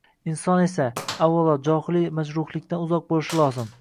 Inson esa, avvalo johiliy majruhlikdan uzoq bo’lishi lozim.